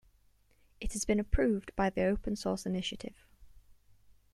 It has been approved by the Open Source Initiative.